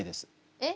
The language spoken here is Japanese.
えっ？